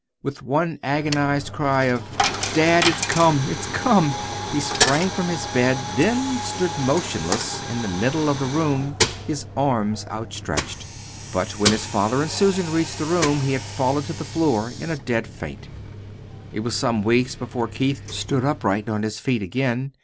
With one agonized cry of "Dad, it's come it's come!" he sprang from the bed, then stood motionless in the middle of the room, his arms outstretched. But when his father and Susan reached the room he had fallen to the floor in a dead faint. It was some weeks before Keith stood upright on his feet again.